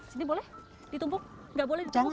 sini boleh ditumpuk gak boleh ditumpuk